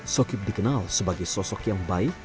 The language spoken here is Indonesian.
sokip dikenal sebagai sosok yang baik